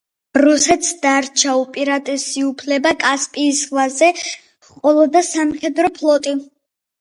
რუსეთს დარჩა უპირატესი უფლება კასპიის ზღვაზე ჰყოლოდა სამხედრო ფლოტი.